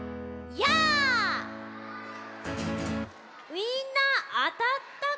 みんなあたったかな？